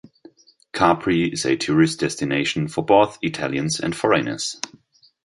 Capri is a tourist destination for both Italians and foreigners.